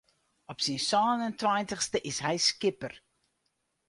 Op syn sân en tweintichste is hy skipper.